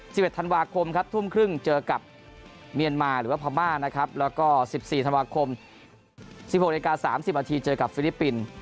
สิบเอ็ดธันวาคมทุ่มครึ่งเจอกับเมียนมาหรือว่าพรม่าแล้วก็สิบสี่ธันวาคม๑๖น๓๐นเจอกับฟิลิปปินส์